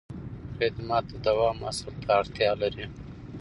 خدمت د دوام اصل ته اړتیا لري.